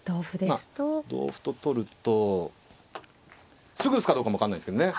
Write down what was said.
まあ同歩と取るとすぐ打つかどうかも分かんないですけどね。